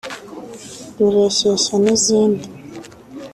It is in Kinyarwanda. Rureshyeshya n’izindi